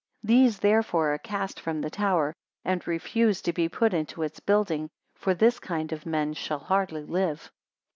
These therefore are cast from the tower, and refused to be put into its building; for this kind of men shall hardly live.